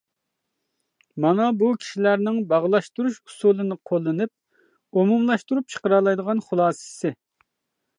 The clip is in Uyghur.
مانا بۇ كىشىلەرنىڭ باغلاشتۇرۇش ئۇسۇلىنى قوللىنىپ ئومۇملاشتۇرۇپ چىقىرالايدىغان خۇلاسىسى.